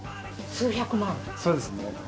そうですね。